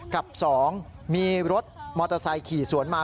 กับ๒มีรถมอเตอร์ไซค์ขี่สวนมา